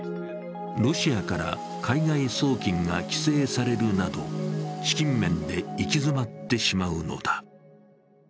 ロシアから海外送金が規制されるなど資金面で行き詰まってしまうのだ。